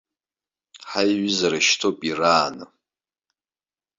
Ҳаиҩызара шьҭоуп ирааны.